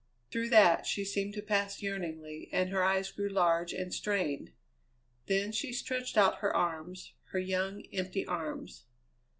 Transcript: Through that she seemed to pass yearningly, and her eyes grew large and strained. Then she stretched out her arms, her young, empty arms.